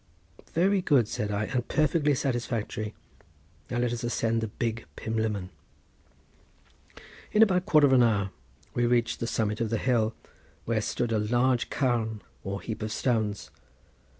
"Very good," said I, "and perfectly satisfactory. Now let us ascend the Big Pumlummon." In about a quarter of an hour we reached the summit of the hill, where stood a large carn or heap of stones.